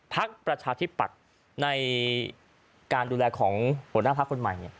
พักประชาธิปัตย์ในการดูแลของหัวหน้าพักคนใหม่